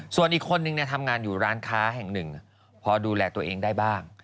ส่วนอีกคนนึงทำงานอยู่ร้านค้าแห่งหนึ่งพอดูแลตัวเองได้บ้าง